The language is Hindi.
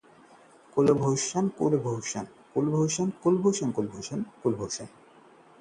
कुलभूषण जाधव को आज मिलेगा कांसुलर एक्सेस, मिलेंगे भारतीय राजनयिक